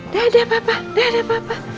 dadah papa dadah papa